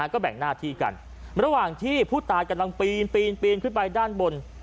ก็แบ่งหน้าที่กันระหว่างที่ผู้ตายกำลังปีนปีนขึ้นไปด้านบน